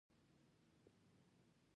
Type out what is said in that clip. کله کله زور تر زارۍ غوره وي.